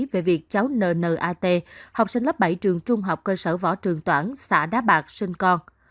về việc cháu nnat học sinh lớp bảy trường trung học cơ sở võ trường toản xã đá bạc sinh con